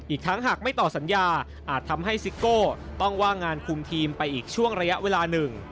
อีกทั้งหากไม่ต่อสัญญาอาจทำให้ซิโก้ต้องว่างงานคุมทีมไปอีกช่วงระยะเวลาหนึ่ง